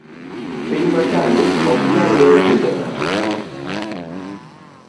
Piny masani okinyal ngeyo timbe ngato